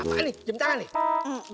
apaan nih jam tangan nih